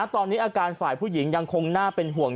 ตอนนี้อาการฝ่ายผู้หญิงยังคงน่าเป็นห่วง